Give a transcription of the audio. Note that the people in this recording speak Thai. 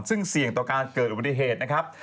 ซึ่งเสี่ยงต่อการเกิดอุบัติเหตุนะครับ